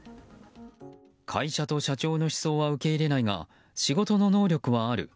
会社と社長の思想は受け入れないが仕事の能力はある。